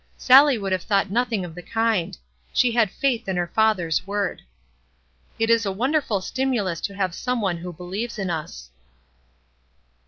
Sally would have thought nothing of the kind. She had faith in her father's word. It is a wonderful stimulus to have some one who believes in us.